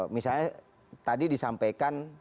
misalnya tadi disampaikan